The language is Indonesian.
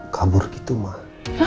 kabur gitu mah